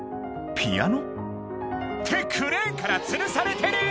ピアノ？ってクレーンからつるされてる！